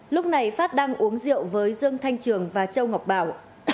lúc này phát đang uống rượu với dương thanh trường và châu ngọc bảo